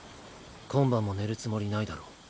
今晩も寝るつもりないだろ。